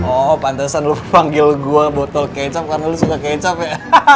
oh pantesan lu panggil gue botol kecap karena lu suka kecap ya